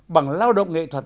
bằng lao động nghệ thuật